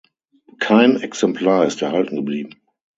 Kein Exemplar ist erhalten geblieben.